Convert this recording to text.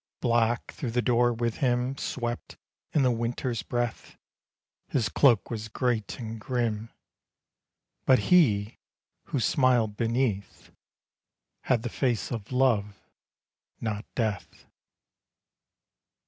_ Black through the door with him Swept in the Winter's breath; His cloak was great and grim But he, who smiled beneath, Had the face of Love not Death.